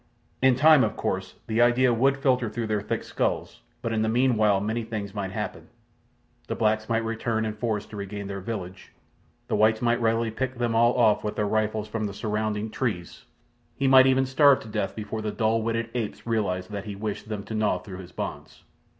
In time, of course, the idea would filter through their thick skulls, but in the meanwhile many things might happen—the blacks might return in force to regain their village; the whites might readily pick them all off with their rifles from the surrounding trees; he might even starve to death before the dull witted apes realized that he wished them to gnaw through his bonds.